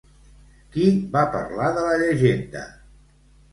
Qui va parlar de la llegenda?